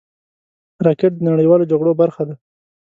راکټ د نړیوالو جګړو برخه ده